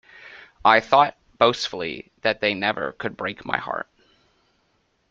I thought, boastfully, that they never could break my heart.